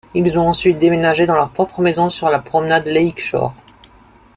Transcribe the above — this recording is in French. Ils ont ensuite déménagé dans leur propre maison sur la promenade Lake Shore.